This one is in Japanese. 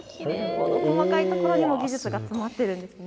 細かいところにも技術が詰まっているんですね。